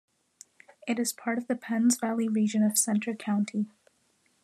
It is part of the Penns Valley region of Centre County.